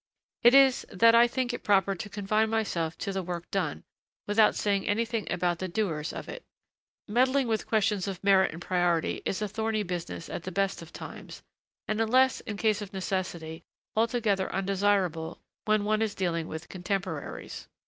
It is that I think it proper to confine myself to the work done, without saying anything about the doers of it. Meddling with questions of merit and priority is a thorny business at the best of times, and unless in case of necessity, altogether undesirable when one is dealing with contemporaries.